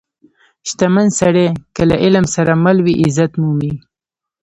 • شتمن سړی که له علم سره مل وي، عزت مومي.